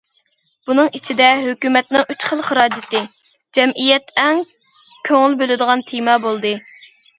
بۇنىڭ ئىچىدە« ھۆكۈمەتنىڭ ئۈچ خىل خىراجىتى» جەمئىيەت ئەڭ كۆڭۈل بۆلىدىغان تېما بولدى.